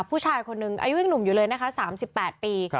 ผู้ชายคนนึงอายุยังหนุ่มอยู่เลยนะคะสามสิบแปดปี